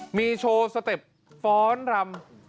มีโชว์สเต็ปฟ้อนรำ